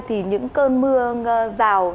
thì những cơn mưa rào